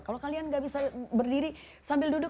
kalau kalian nggak bisa berdiri sambil duduk